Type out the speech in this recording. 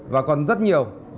và còn rất nhiều